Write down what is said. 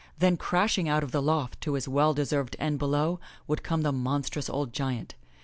Then, crashing out of the loft to his well deserved end below, would come the monstrous old giant.